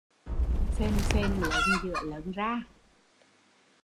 Phềnh phềnh lớn giữa lớn ra